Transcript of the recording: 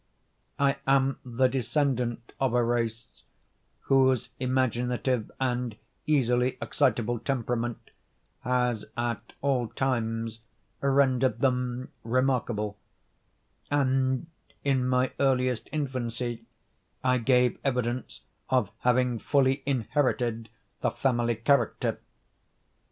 I am the descendant of a race whose imaginative and easily excitable temperament has at all times rendered them remarkable; and, in my earliest infancy, I gave evidence of having fully inherited the family character.